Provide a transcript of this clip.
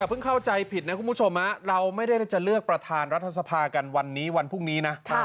เพิ่งเข้าใจผิดนะคุณผู้ชมเราไม่ได้จะเลือกประธานรัฐสภากันวันนี้วันพรุ่งนี้นะ